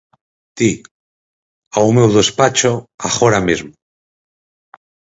Ti, ao meu despacho, agora mesmo.